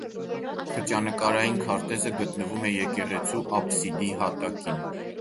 Խճանկարային քարտեզը գտնվում է եկեղեցու աբսիդի հատակին։